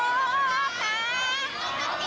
สวัสดีครับ